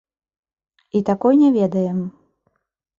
І такой не ведаем.